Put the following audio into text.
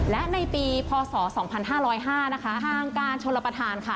และในปีพศ๒๕๐๕นะคะทางการชนรับประทานค่ะ